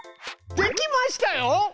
できましたよ！